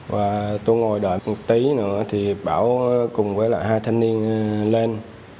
và tôi ngồi đợi một tí nữa thì bảo cùng với lại hai thanh niên lên